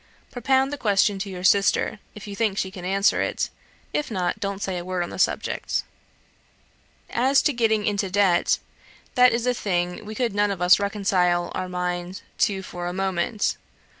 Propound the question to your sister, if you think she can answer it; if not, don't say a word on the subject. As to getting into debt, that is a thing we could none of us reconcile our mind to for a moment.